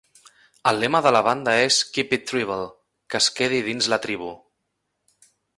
El lema de la banda és "Keep it Tribal" (que es quedi dins la tribu).